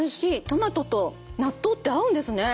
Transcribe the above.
トマトと納豆って合うんですね！